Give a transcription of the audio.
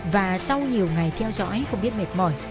và sau nhiều ngày theo dõi không biết mệt mỏi